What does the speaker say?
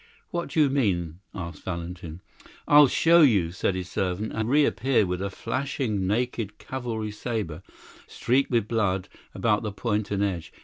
"What do you mean?" asked Valentin. "I'll show you," said his servant, and reappeared with a flashing naked cavalry sabre, streaked with blood about the point and edge.